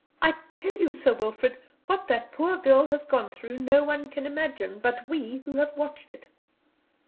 I tell you, Sir Wilfrid, what that poor girl has gone through no one can imagine but we who have watched it.